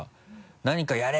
「何かやれ！」